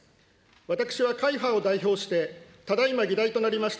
私は会派を代表して、ただいま議題となりました